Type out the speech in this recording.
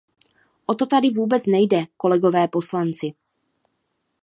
O to tady vůbec nejde, kolegové poslanci.